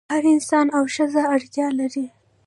هر نر او ښځه اړتیا لري.